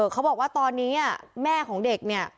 เขาบอกว่าตอนนี้แม่ของเด็กเนี่ย